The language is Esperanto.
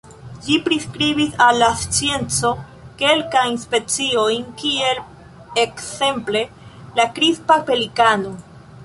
Ĝi priskribis al la scienco kelkajn speciojn kiel ekzemple la Krispa pelikano.